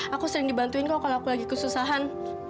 aku sering dibantuin kok kalau aku lagi kesusahan